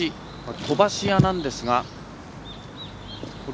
飛ばし屋なんですが。